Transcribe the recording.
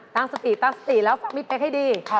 ตั้งสติแล้วฝากมิดเพคให้ดี